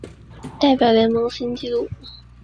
代表联盟新纪录